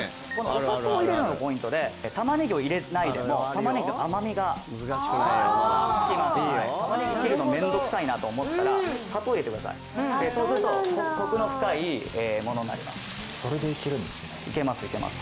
お砂糖を入れるのがポイントで玉ねぎを入れないでも玉ねぎの甘みがつきます玉ねぎ切るの面倒くさいなと思ったら砂糖を入れてくださいそうするとそれでいけるんですねいけますいけます